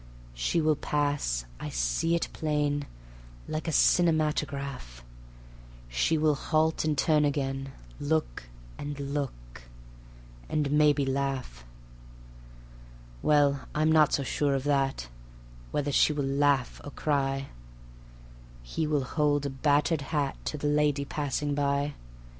She will pass (I see it plain, Like a cinematograph), She will halt and turn again, Look and look, and maybe laugh. Well, I'm not so sure of that Whether she will laugh or cry. He will hold a battered hat To the lady passing by.